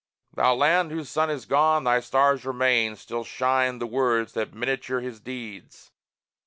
Thou Land whose sun is gone, thy stars remain! Still shine the words that miniature his deeds.